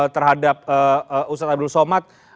terhadap ustadz abdul somad